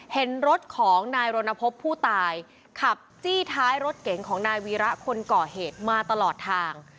เห็นรถของนายรณพบผู้ตายขับจี้ท้ายรถเก๋งของนายวีระคนก่อเหตุมาตลอดทาง